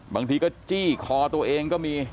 บางทีก็จี้คอตัวเองก็มี